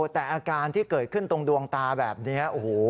แต่อาการที่เกิดขึ้นตรงดวงตาแบบนี้โอ้โห